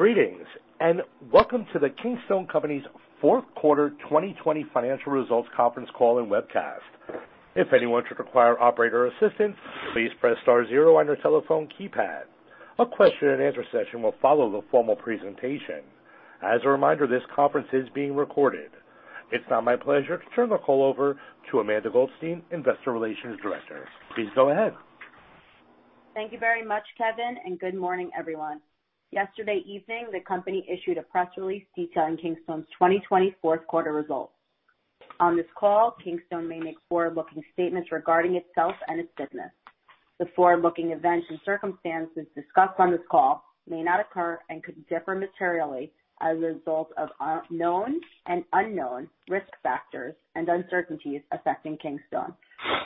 Greetings, and welcome to the Kingstone Companies' Q4 2020 Financial Results conference call and webcast. If anyone should require operator assistance, please press star zero on your telephone keypad. A question and answer session will follow the formal presentation. As a reminder, this conference is being recorded. It's now my pleasure to turn the call over to Amanda Goldstein, Investor Relations Director. Please go ahead. Thank you very much, Kevin, and good morning, everyone. Yesterday evening, the company issued a press release detailing Kingstone's 2020 Q4 results. On this call, Kingstone may make forward-looking statements regarding itself and its business. The forward-looking events and circumstances discussed on this call may not occur and could differ materially as a result of known and unknown risk factors and uncertainties affecting Kingstone.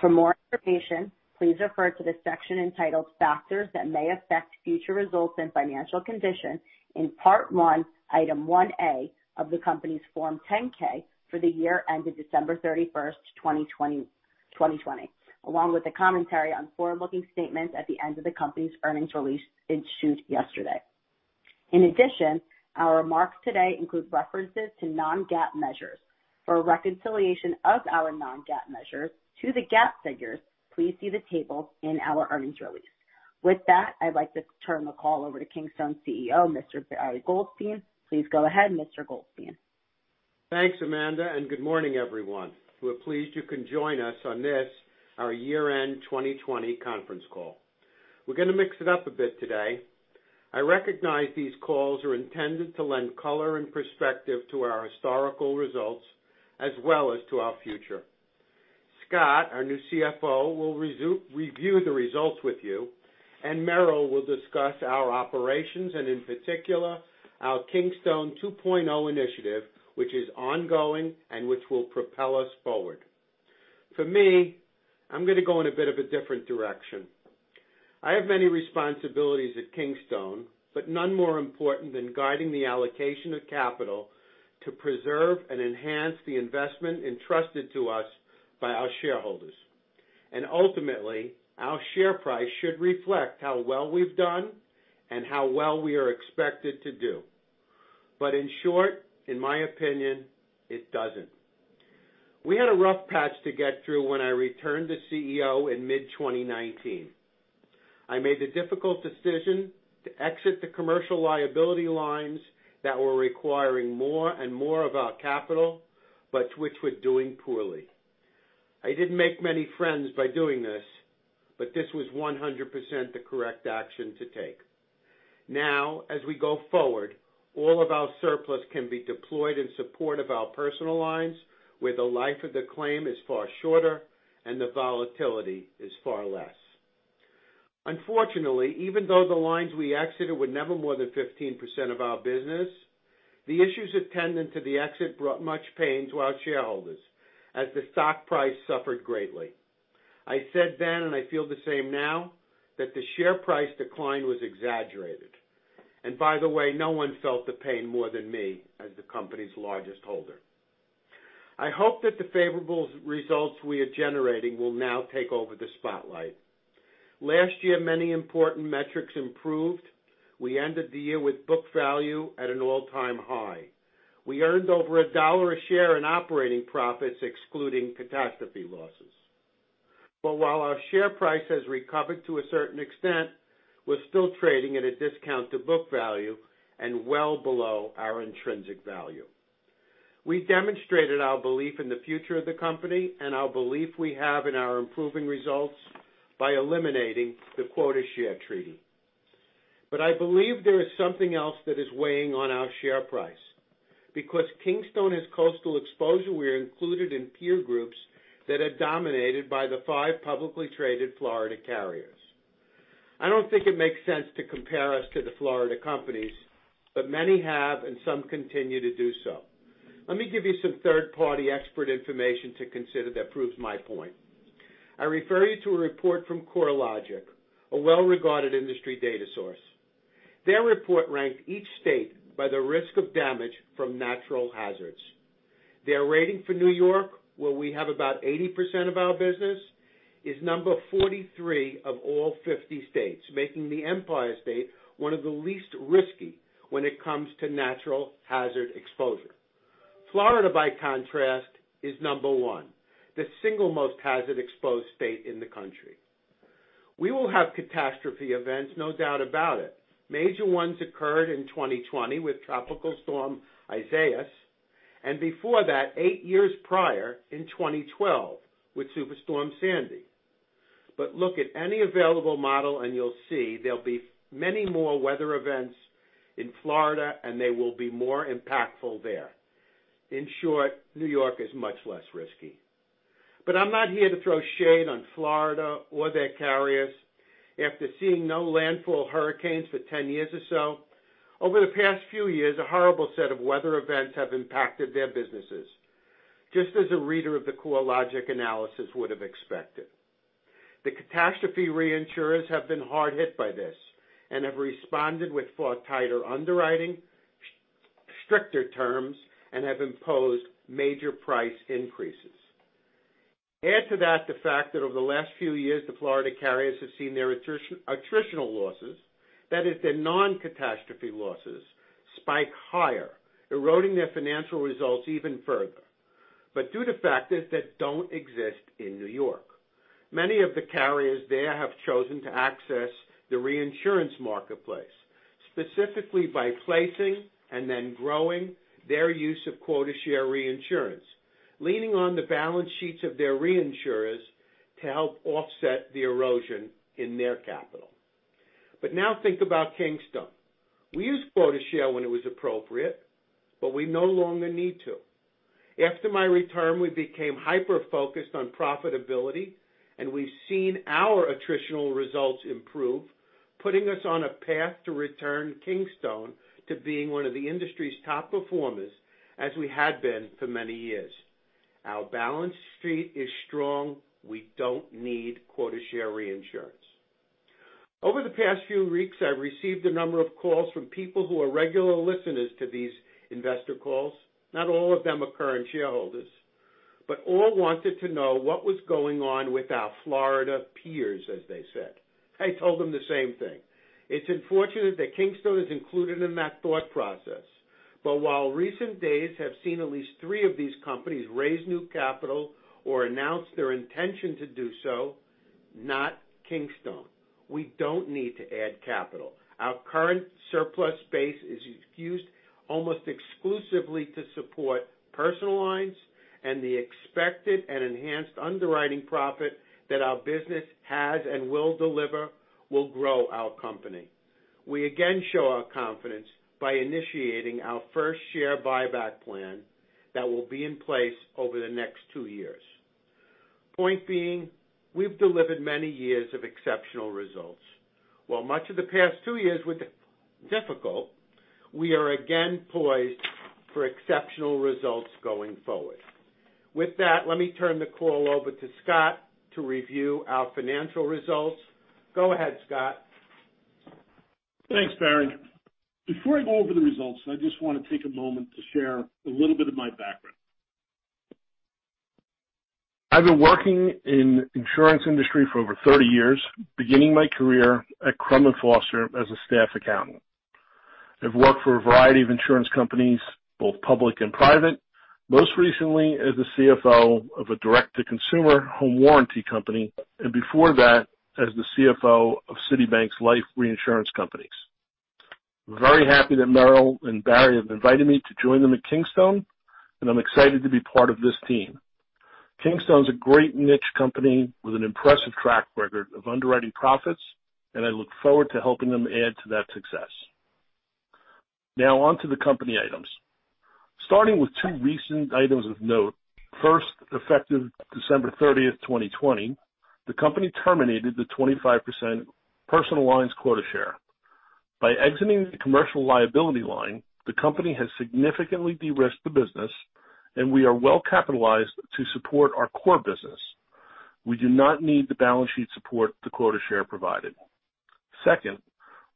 For more information, please refer to the section entitled Factors That May Affect Future Results and Financial Condition in Part 1, Item 1A of the company's Form 10-K for the year ended December 31st, 2020, along with the commentary on forward-looking statements at the end of the company's earnings release issued yesterday. In addition, our remarks today include references to non-GAAP measures. For reconciliation of our non-GAAP measures to the GAAP figures, please see the table in our earnings release. With that, I'd like to turn the call over to Kingstone CEO, Mr. Barry Goldstein. Please go ahead, Mr. Goldstein. Thanks, Amanda, and good morning, everyone. We're pleased you can join us on this, our year-end 2020 conference call. We're going to mix it up a bit today. I recognize these calls are intended to lend color and perspective to our historical results as well as to our future. Scott, our new CFO, will review the results with you, and Meryl will discuss our operations and, in particular, our Kingstone 2.0 initiative, which is ongoing and which will propel us forward. For me, I'm going to go in a bit of a different direction. I have many responsibilities at Kingstone, but none more important than guiding the allocation of capital to preserve and enhance the investment entrusted to us by our shareholders. And ultimately, our share price should reflect how well we've done and how well we are expected to do. But in short, in my opinion, it doesn't. We had a rough patch to get through when I returned to CEO in mid-2019. I made the difficult decision to exit the commercial liability lines that were requiring more and more of our capital, but which were doing poorly. I didn't make many friends by doing this, but this was 100% the correct action to take. Now, as we go forward, all of our surplus can be deployed in support of our personal lines, where the life of the claim is far shorter and the volatility is far less. Unfortunately, even though the lines we exited were never more than 15% of our business, the issues attendant to the exit brought much pain to our shareholders as the stock price suffered greatly. I said then, and I feel the same now, that the share price decline was exaggerated. By the way, no one felt the pain more than me as the company's largest holder. I hope that the favorable results we are generating will now take over the spotlight. Last year, many important metrics improved. We ended the year with book value at an all-time high. We earned over $1 a share in operating profits, excluding catastrophe losses. While our share price has recovered to a certain extent, we're still trading at a discount to book value and well below our intrinsic value. We demonstrated our belief in the future of the company and our belief we have in our improving results by eliminating the quota share treaty. I believe there is something else that is weighing on our share price. Because Kingstone has coastal exposure, we are included in peer groups that are dominated by the five publicly traded Florida carriers. I don't think it makes sense to compare us to the Florida companies, but many have and some continue to do so. Let me give you some third-party expert information to consider that proves my point. I refer you to a report from CoreLogic, a well-regarded industry data source. Their report ranked each state by the risk of damage from natural hazards. Their rating for New York, where we have about 80% of our business, is number 43 of all 50 states, making the Empire State one of the least risky when it comes to natural hazard exposure. Florida, by contrast, is number one, the single most hazard-exposed state in the country. We will have catastrophe events, no doubt about it. Major ones occurred in 2020 with Tropical Storm Isaias, and before that, eight years prior in 2012 with Superstorm Sandy. But look at any available model and you'll see there'll be many more weather events in Florida, and they will be more impactful there. In short, New York is much less risky. But I'm not here to throw shade on Florida or their carriers. After seeing no landfall hurricanes for 10 years or so, over the past few years, a horrible set of weather events have impacted their businesses, just as a reader of the CoreLogic analysis would have expected. The catastrophe reinsurers have been hard hit by this and have responded with far tighter underwriting, stricter terms, and have imposed major price increases. Add to that the fact that over the last few years, the Florida carriers have seen their attritional losses, that is, their non-catastrophe losses, spike higher, eroding their financial results even further. But due to factors that don't exist in New York, many of the carriers there have chosen to access the reinsurance marketplace, specifically by placing and then growing their use of quota share reinsurance, leaning on the balance sheets of their reinsurers to help offset the erosion in their capital. But now think about Kingstone. We used quota share when it was appropriate, but we no longer need to. After my retirement, we became hyper-focused on profitability, and we've seen our attritional results improve, putting us on a path to return Kingstone to being one of the industry's top performers as we had been for many years. Our balance sheet is strong. We don't need quota share reinsurance. Over the past few weeks, I've received a number of calls from people who are regular listeners to these investor calls. Not all of them are current shareholders, but all wanted to know what was going on with our Florida peers, as they said. I told them the same thing. It's unfortunate that Kingstone is included in that thought process, but while recent days have seen at least three of these companies raise new capital or announce their intention to do so, not Kingstone. We don't need to add capital. Our current surplus base is used almost exclusively to support personal lines, and the expected and enhanced underwriting profit that our business has and will deliver will grow our company. We again show our confidence by initiating our first share buyback plan that will be in place over the next two years. Point being, we've delivered many years of exceptional results. While much of the past two years were difficult, we are again poised for exceptional results going forward. With that, let me turn the call over to Scott to review our financial results. Go ahead, Scott. Thanks, Barry. Before I go over the results, I just want to take a moment to share a little bit of my background. I've been working in the insurance industry for over 30 years, beginning my career at Crum & Forster as a staff accountant. I've worked for a variety of insurance companies, both public and private, most recently as the CFO of a direct-to-consumer home warranty company, and before that, as the CFO of Citibank's life reinsurance companies. I'm very happy that Meryl and Barry have invited me to join them at Kingstone, and I'm excited to be part of this team. Kingstone is a great niche company with an impressive track record of underwriting profits, and I look forward to helping them add to that success. Now, on to the company items. Starting with two recent items of note. First, effective December 30th, 2020, the company terminated the 25% personal lines quota share. By exiting the commercial liability line, the company has significantly de-risked the business, and we are well capitalized to support our core business. We do not need the balance sheet support the quota share provided. Second,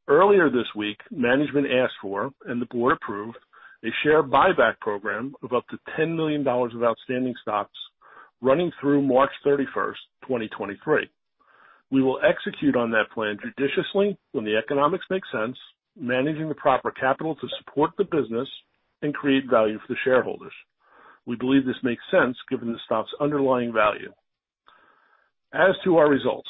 earlier this week, management asked for, and the board approved, a share buyback program of up to $10 million of outstanding stocks running through March 31st, 2023. We will execute on that plan judiciously when the economics make sense, managing the proper capital to support the business and create value for the shareholders. We believe this makes sense given the stock's underlying value. As to our results,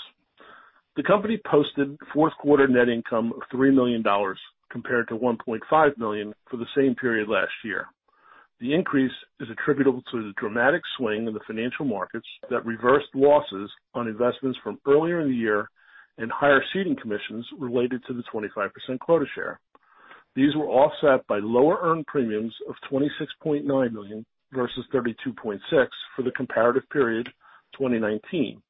the company posted Q4 net income of $3 million compared to $1.5 million for the same period last year. The increase is attributable to the dramatic swing in the financial markets that reversed losses on investments from earlier in the year and higher ceding commissions related to the 25% quota share. These were offset by lower earned premiums of $26.9 million versus $32.6 million for the comparative period 2019,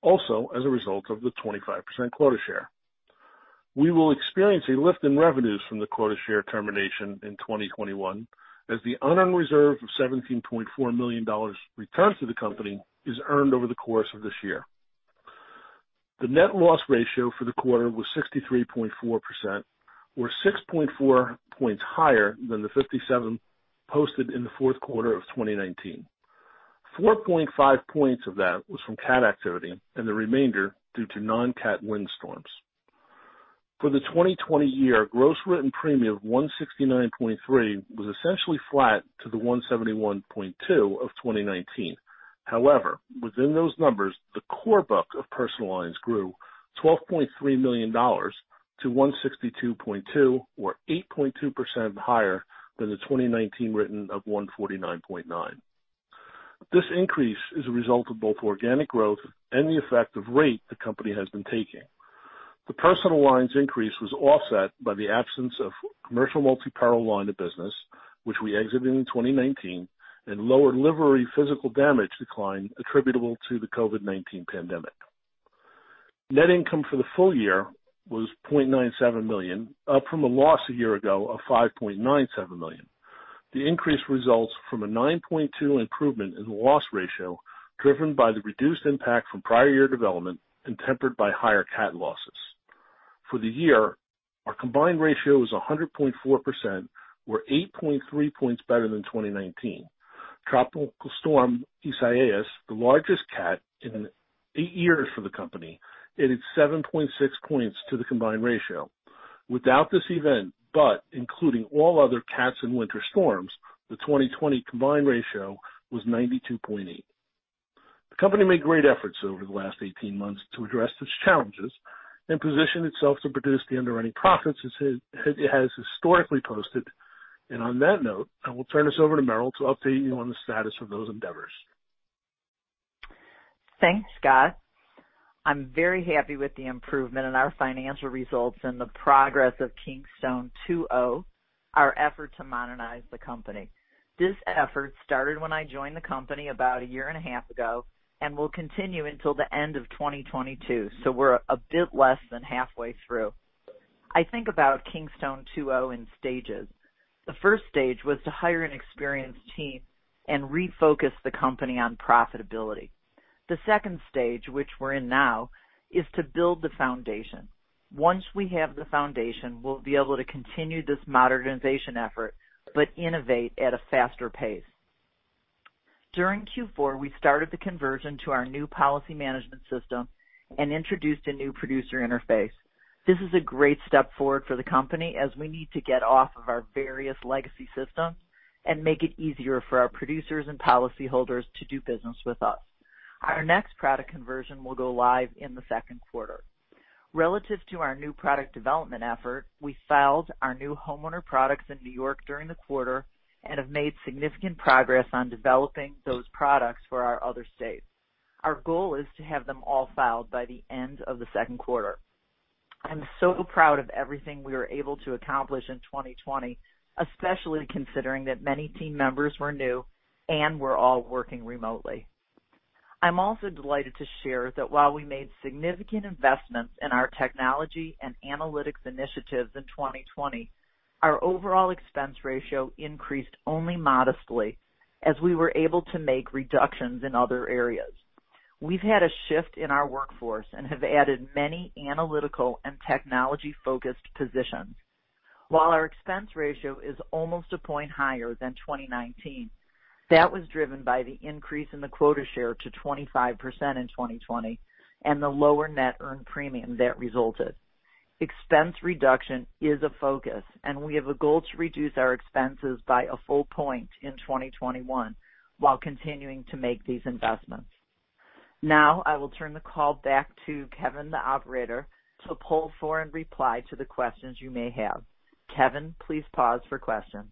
also as a result of the 25% quota share. We will experience a lift in revenues from the quota share termination in 2021 as the unearned reserve of $17.4 million returned to the company is earned over the course of this year. The net loss ratio for the quarter was 63.4%, or 6.4 points higher than the 57% posted in the Q4 of 2019. 4.5 points of that was from CAT activity, and the remainder due to non-CAT windstorms. For the 2020 year, gross written premium of $169.3 was essentially flat to the $171.2 of 2019. However, within those numbers, the core book of personal lines grew $12.3 million to $162.2, or 8.2% higher than the 2019 written of $149.9. This increase is a result of both organic growth and the effective rate the company has been taking. The personal lines increase was offset by the absence of commercial multi-peril line of business, which we exited in 2019, and lower livery physical damage decline attributable to the COVID-19 pandemic. Net income for the full year was $0.97 million, up from a loss a year ago of $5.97 million. The increase results from a 9.2 improvement in the loss ratio driven by the reduced impact from prior year development and tempered by higher CAT losses. For the year, our combined ratio was 100.4%, or 8.3 points better than 2019. Tropical Storm Isaias, the largest CAT in eight years for the company, added 7.6 points to the combined ratio. Without this event, but including all other CATs and winter storms, the 2020 combined ratio was 92.8. The company made great efforts over the last 18 months to address its challenges and position itself to produce the underwriting profits it has historically posted. And on that note, I will turn this over to Meryl to update you on the status of those endeavors. Thanks, Scott. I'm very happy with the improvement in our financial results and the progress of Kingstone 2.0, our effort to modernize the company. This effort started when I joined the company about a year and a half ago and will continue until the end of 2022, so we're a bit less than halfway through. I think about Kingstone 2.0 in stages. The first stage was to hire an experienced team and refocus the company on profitability. The second stage, which we're in now, is to build the foundation. Once we have the foundation, we'll be able to continue this modernization effort but innovate at a faster pace. During Q4, we started the conversion to our new policy management system and introduced a new producer interface. This is a great step forward for the company as we need to get off of our various legacy systems and make it easier for our producers and policyholders to do business with us. Our next product conversion will go live in the Q2. Relative to our new product development effort, we filed our new homeowner products in New York during the quarter and have made significant progress on developing those products for our other states. Our goal is to have them all filed by the end of the Q2. I'm so proud of everything we were able to accomplish in 2020, especially considering that many team members were new and we're all working remotely. I'm also delighted to share that while we made significant investments in our technology and analytics initiatives in 2020, our overall expense ratio increased only modestly as we were able to make reductions in other areas. We've had a shift in our workforce and have added many analytical and technology-focused positions. While our expense ratio is almost a point higher than 2019, that was driven by the increase in the quota share to 25% in 2020 and the lower net earned premium that resulted. Expense reduction is a focus, and we have a goal to reduce our expenses by a full point in 2021 while continuing to make these investments. Now, I will turn the call back to Kevin, the operator, to pull for and reply to the questions you may have. Kevin, please pause for questions.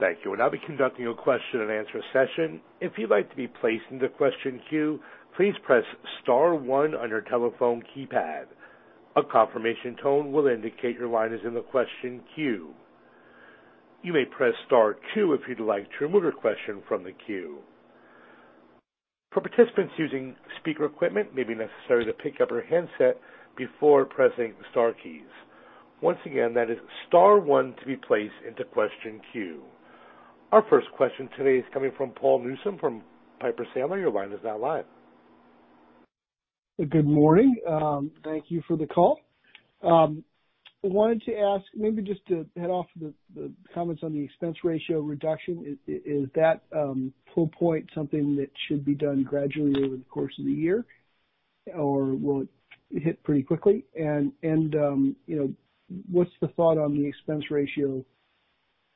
Thank you. We'll now be conducting a question and answer session. If you'd like to be placed in the question queue, please press star one on your telephone keypad. A confirmation tone will indicate your line is in the question queue. You may press star two if you'd like to remove your question from the queue. For participants using speaker equipment, it may be necessary to pick up your handset before pressing the star keys. Once again, that is star one to be placed into question queue. Our first question today is coming from Paul Newsome from Piper Sandler. Your line is now live. Good morning. Thank you for the call. I wanted to ask, maybe just to head off the comments on the expense ratio reduction, is that full point something that should be done gradually over the course of the year, or will it hit pretty quickly? And what's the thought on the expense ratio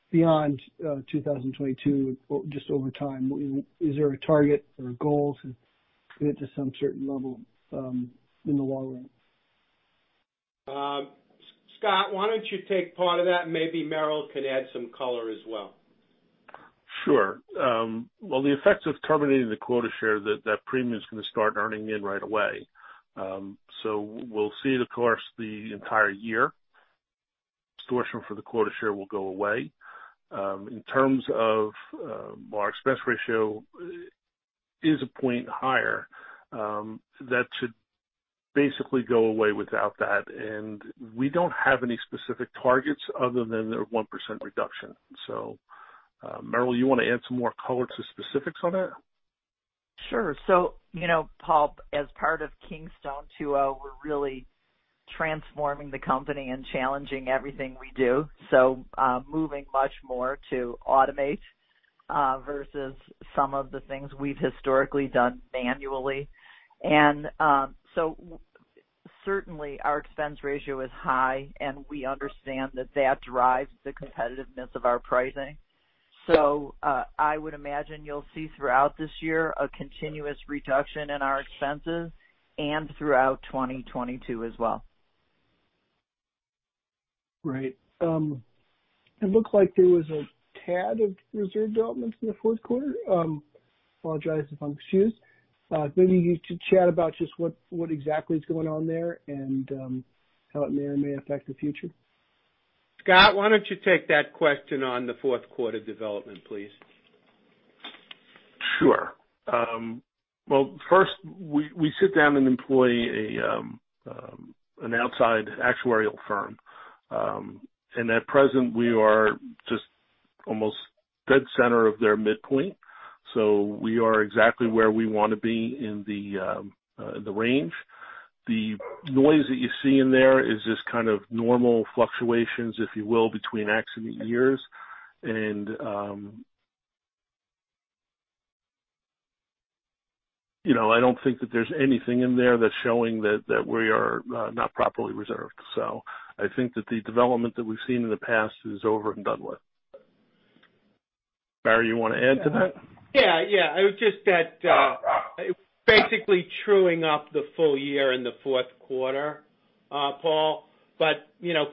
beyond 2022, just over time? Is there a target or a goal to get to some certain level in the long run? Scott, why don't you take part of that? Maybe Meryl can add some color as well. Sure. Well, the effects of terminating the quota share is that that premium is going to start earning in right away. So we'll see, of course, the entire year. Distortion for the quota share will go away. In terms of our expense ratio, it is a point higher. That should basically go away without that. And we don't have any specific targets other than a 1% reduction. So, Meryl, you want to add some more color to specifics on that? Sure. So, Paul, as part of Kingstone 2.0, we're really transforming the company and challenging everything we do. So moving much more to automate versus some of the things we've historically done manually. And so certainly, our expense ratio is high, and we understand that that drives the competitiveness of our pricing. So I would imagine you'll see throughout this year a continuous reduction in our expenses and throughout 2022 as well. Great. It looks like there was a tad of reserve developments in the Q4. I apologize if I'm confused. Maybe you could chat about just what exactly is going on there and how it may or may affect the future? Scott, why don't you take that question on the Q4 development, please? Sure, well, first, we sit down and employ an outside actuarial firm, and at present, we are just almost dead center of their midpoint, so we are exactly where we want to be in the range. The noise that you see in there is just kind of normal fluctuations, if you will, between accident years. And I don't think that there's anything in there that's showing that we are not properly reserved, so I think that the development that we've seen in the past is over and done with. Barry, you want to add to that? Yeah, yeah. It was just that it was basically truing up the full year in the Q4 Paul. But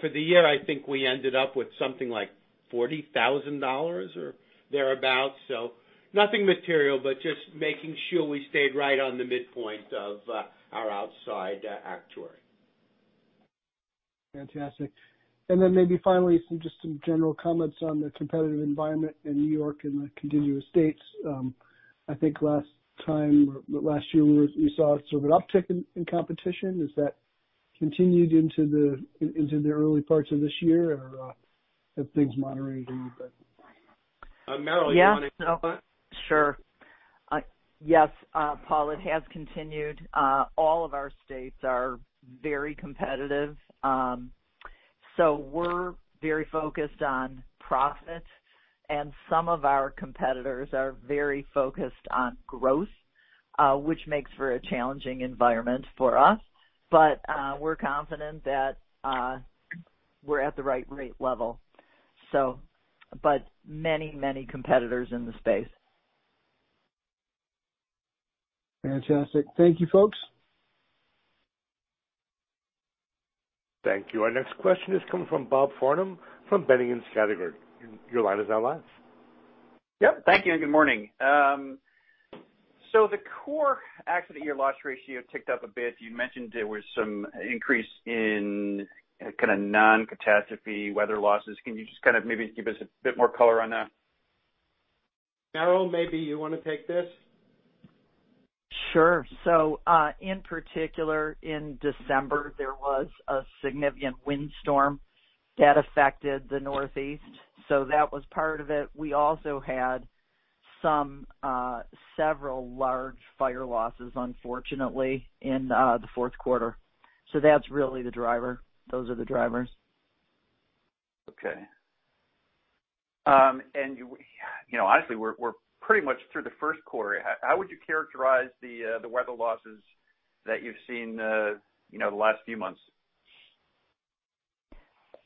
for the year, I think we ended up with something like $40,000 or thereabouts. So nothing material, but just making sure we stayed right on the midpoint of our outside actuary. Fantastic. And then maybe finally, just some general comments on the competitive environment in New York and the contiguous states. I think last time or last year, we saw a sort of an uptick in competition. Has that continued into the early parts of this year, or have things moderated a little bit? Meryl, do you want to? Yes. Sure. Yes, Paul, it has continued. All of our states are very competitive. So we're very focused on profit, and some of our competitors are very focused on growth, which makes for a challenging environment for us. But we're confident that we're at the right rate level. But many, many competitors in the space. Fantastic. Thank you, folks. Thank you. Our next question is coming from Bob Farnam from Boenning & Scattergood. Your line is now live. Yep. Thank you. Good morning. So the core accident year loss ratio ticked up a bit. You mentioned there was some increase in kind of non-catastrophe weather losses. Can you just kind of maybe give us a bit more color on that? Meryl, maybe you want to take this? Sure. So in particular, in December, there was a significant windstorm that affected the Northeast. So that was part of it. We also had several large fire losses, unfortunately, in theQ4. So that's really the driver. Those are the drivers. Okay, and honestly, we're pretty much through the Q1. How would you characterize the weather losses that you've seen the last few months?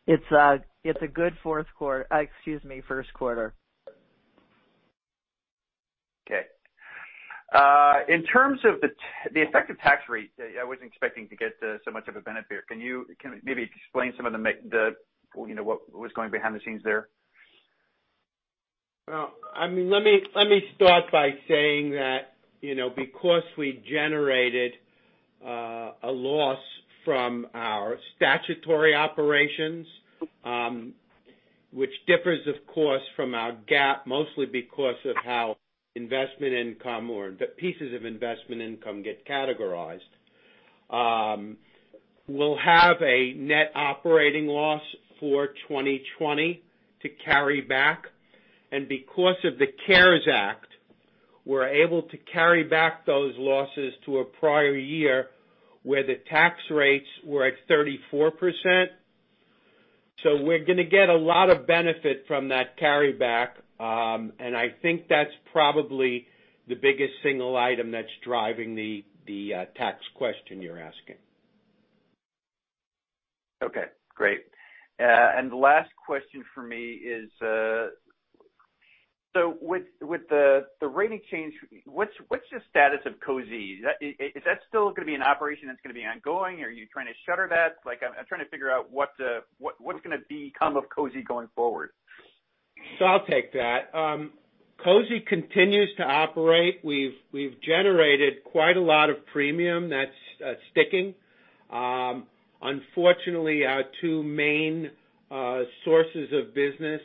It's a good Q4. Excuse me, Q1. Okay. In terms of the effective tax rate, I wasn't expecting to get so much of a benefit here. Can you maybe explain some of what was going behind the scenes there? I mean, let me start by saying that because we generated a loss from our statutory operations, which differs, of course, from our GAAP, mostly because of how investment income or the pieces of investment income get categorized, we'll have a net operating loss for 2020 to carry back. And because of the CARES Act, we're able to carry back those losses to a prior year where the tax rates were at 34%. So we're going to get a lot of benefit from that carryback. And I think that's probably the biggest single item that's driving the tax question you're asking. Okay. Great. And the last question for me is, so with the rating change, what's the status of COSI? Is that still going to be an operation that's going to be ongoing, or are you trying to shutter that? I'm trying to figure out what's going to become of COSI going forward. So I'll take that. COSI continues to operate. We've generated quite a lot of premium that's sticking. Unfortunately, our two main sources of business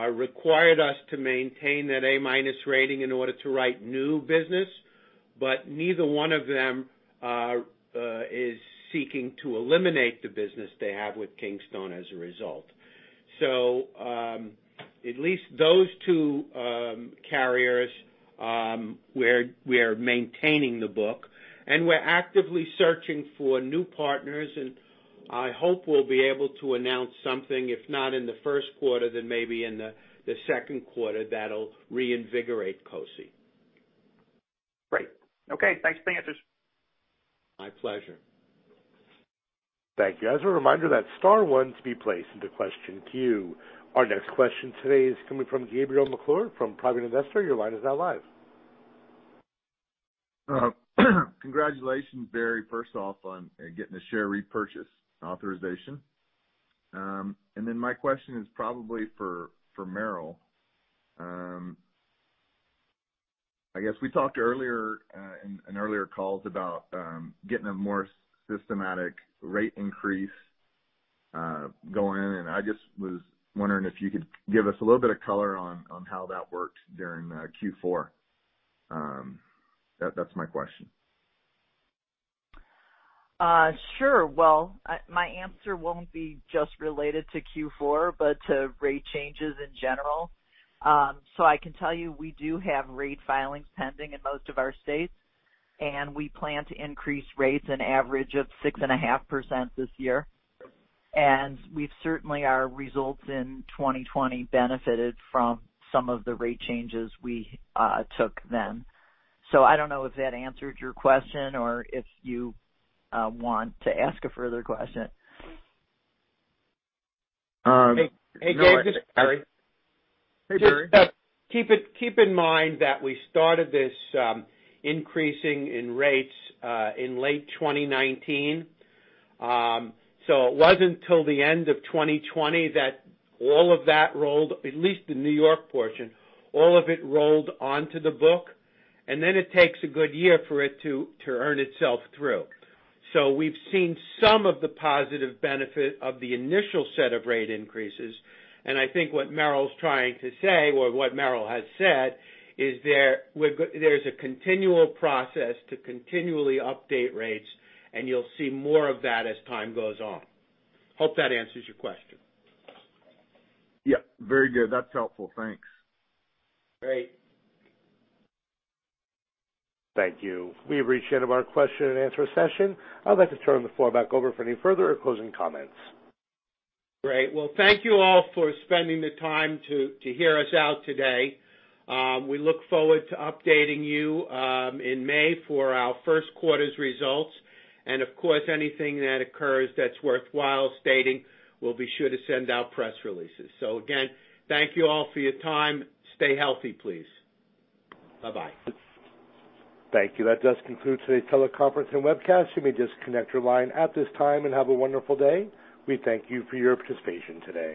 required us to maintain that A-rating in order to write new business, but neither one of them is seeking to eliminate the business they have with Kingstone as a result. So at least those two carriers, we are maintaining the book. And we're actively searching for new partners, and I hope we'll be able to announce something. If not in the Q1, then maybe in the Q2, that'll reinvigorate COSI. Great. Okay. Thanks for the answers. My pleasure. Thank you. As a reminder, that's star one to be placed into question queue. Our next question today is coming from Gabriel McClure from private investor. Your line is now live. Congratulations, Barry, first off, on getting the share repurchase authorization. And then my question is probably for Meryl. I guess we talked earlier, in earlier calls about getting a more systematic rate increase going in. And I just was wondering if you could give us a little bit of color on how that worked during Q4. That's my question. Sure. Well, my answer won't be just related to Q4, but to rate changes in general. So I can tell you we do have rate filings pending in most of our states, and we plan to increase rates an average of 6.5% this year. And certainly, our results in 2020 benefited from some of the rate changes we took then. So I don't know if that answered your question or if you want to ask a further question. Hey, Gabe. Hey, Gabe. Barry. Hey, Barry. Keep in mind that we started this increasing in rates in late 2019, so it wasn't till the end of 2020 that all of that rolled, at least the New York portion, all of it rolled onto the book, and then it takes a good year for it to earn itself through, so we've seen some of the positive benefit of the initial set of rate increases, and I think what Meryl's trying to say, or what Meryl has said, is there's a continual process to continually update rates, and you'll see more of that as time goes on. Hope that answers your question. Yep. Very good. That's helpful. Thanks. Great. Thank you. We appreciate it. Our question and answer session. I'd like to turn the floor back over for any further or closing comments. Great. Well, thank you all for spending the time to hear us out today. We look forward to updating you in May for our Q1's results. And of course, anything that occurs that's worthwhile stating, we'll be sure to send out press releases. So again, thank you all for your time. Stay healthy, please. Bye-bye. Thank you. That does conclude today's teleconference and webcast. You may disconnect your line at this time and have a wonderful day. We thank you for your participation today.